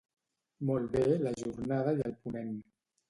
Molt bé la jornada i el ponent.